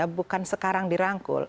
mereka bukan sekarang dirangkul